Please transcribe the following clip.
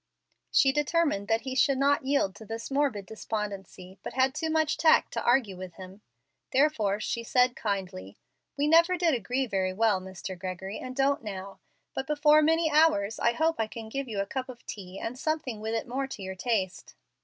'" She determined that he should not yield to this morbid despondency, but had too much tact to argue with him; therefore she said, kindly, "We never did agree very well, Mr. Gregory, and don't now. But before many hours I hope I can give you a cup of tea and something with it more to your taste.